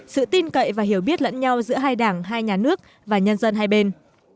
sự tin cậy và hiểu biết lẫn nhau giữa hai đảng hai nhà nước và nhân dân hai bên